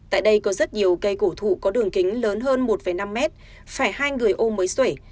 tại đây có rất nhiều cây cổ thụ có đường kính lớn hơn một năm mét phải hai người ô mới xuể